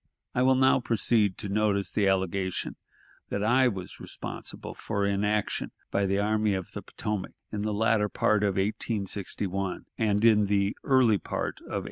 I will now proceed to notice the allegation that I was responsible for inaction by the Army of the Potomac, in the latter part of 1861 and in the early part of 1862.